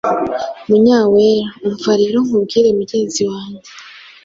Munyawera:Umva rero nkubwire mugenzi wange.